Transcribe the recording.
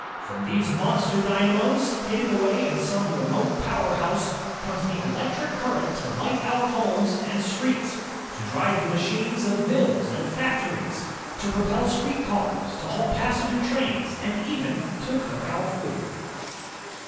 From these monster dynamos, hidden away in some remote power house, comes the electric current to light our homes and streets, to drive the machines of mills and factories, to propel street cars, to haul passenger trains, and even to cook our food.